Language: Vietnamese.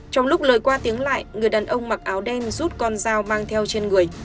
trong lúc lời qua tiếng lại người đàn ông mặc áo đen rút con dao mang theo trên người